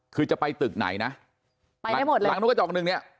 คือจะไปตึกไหนนะไปได้หมดเลยหลังนกจอกหนึ่งเนี้ย